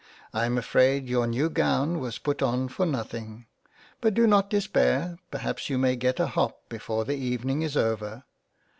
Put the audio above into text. I am afraid your new Gown was put on for nothing. But do not despair ; perhaps you may get a hop before the Evening is over."